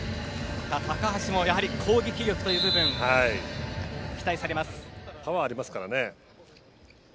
高梨も攻撃力という部分パワーがありますからね。